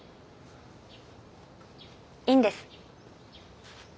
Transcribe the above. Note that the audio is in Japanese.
いいんです。